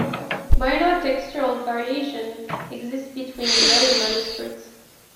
"Minor textual variation" exist between the early manuscripts.